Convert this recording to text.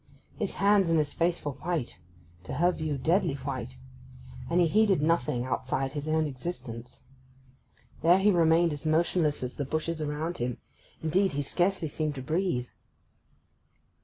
His hands and his face were white—to her view deadly white—and he heeded nothing outside his own existence. There he remained as motionless as the bushes around him; indeed, he scarcely seemed to breathe.